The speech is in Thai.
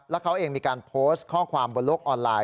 แล้วเขาเองมีการโพสต์ข้อความบนโลกออนไลน